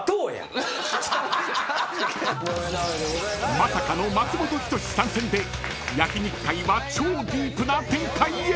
［まさかの松本人志参戦で焼肉会は超ディープな展開へ］